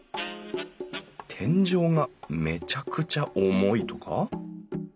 天井がめちゃくちゃ重いとか？